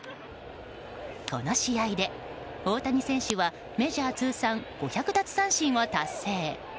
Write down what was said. この試合で大谷選手はメジャー通算５００奪三振を達成。